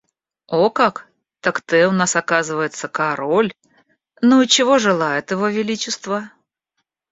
О как! Так ты у нас, оказывается, король? Ну и чего желает его Величество?